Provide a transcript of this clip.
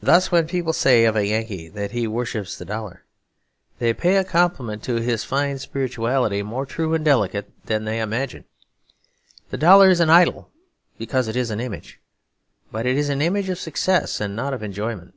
Thus when people say of a Yankee that he worships the dollar, they pay a compliment to his fine spirituality more true and delicate than they imagine. The dollar is an idol because it is an image; but it is an image of success and not of enjoyment.